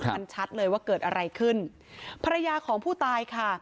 มันชัดเลยว่าเกิดอะไรขึ้นภรรยาของผู้ตายค่ะ